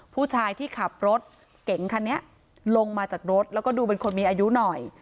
ผู้ชายที่ขับรถเก่งคันนี้ลงมาจากรถแล้วก็ดูเป็นคนมีอายุหน่อย